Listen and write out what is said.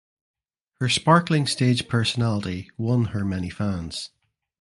Her sparkling stage personality won her many fans.